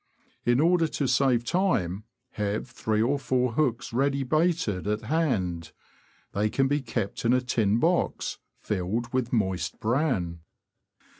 In order to save time, have three or four hooks ready baited at hand; they can be kept in a tin box filled with moist bran.